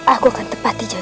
aku akan menangkapmu